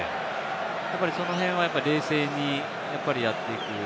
その辺は冷静にやっていく。